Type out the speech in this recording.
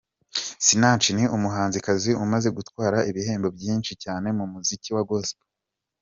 Sinach ni umuhanzi umaze gutwara ibihembo byinshi cyane mu muziki wa Gospel.